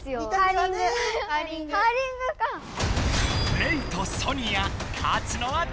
レイとソニア勝つのはどっち？